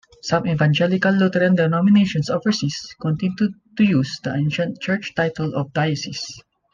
Some Evangelical Lutheran denominations overseas continue to use the ancient church title of "diocese".